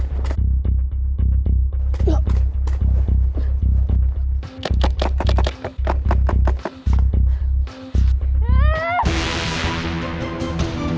kamu tak bisa ken relat jelas